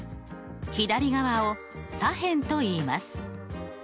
左側を左辺といいます。